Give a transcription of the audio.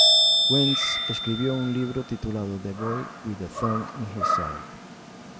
Wentz escribió un libro titulado "The Boy With the Thorn In His Side".